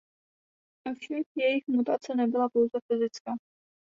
Avšak jejich mutace nebyla pouze fyzická.